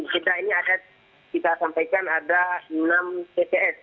kita ini ada kita sampaikan ada enam tps